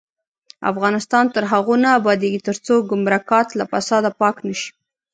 افغانستان تر هغو نه ابادیږي، ترڅو ګمرکات له فساده پاک نشي.